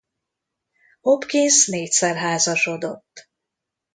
Hopkins négyszer házasodott.